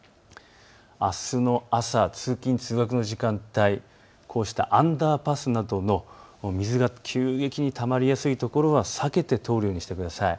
あすの朝、通勤通学の時間帯、アンダーパスなどの水が急激にたまりやすいところは避けて通るようにしてください。